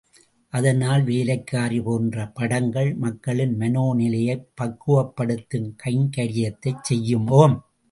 அதனால் வேலைக்காரி போன்ற படங்கள் மக்களின் மனோநிலையைப் பக்குவப்படுத்தும் கைங்கரியத்தைச் செய்யும்.